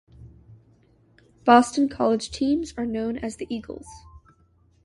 Boston College teams are known as the Eagles.